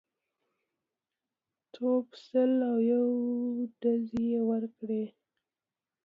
توپ سل او یو ډزې یې وکړې.